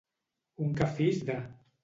Un cafís de.